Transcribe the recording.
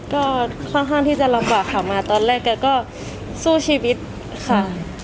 ก็ค่อนข้างที่จะลำบากค่ะมาตอนแรกแกก็สู้ชีวิตค่ะ